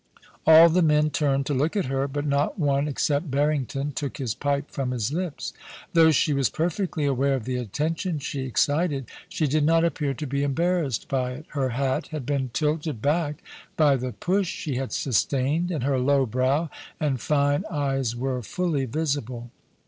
All the men turned to look at her, but not one, except Barrington, took his pipe from his lips. Though she was perfectly aware of the attention she excited, she did not appear to be embarrassed by it Her hat had been tilted back by the push she had sustained, and her low brow and fine eyes were fully visible.